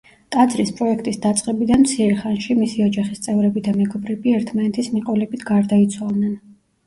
ტაძრის პროექტის დაწყებიდან მცირე ხანში მისი ოჯახის წევრები და მეგობრები ერთმანეთის მიყოლებით გარდაიცვალნენ.